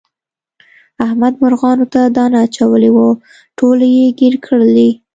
احمد مرغانو ته دانه اچولې وه ټولې یې ګیر کړلې.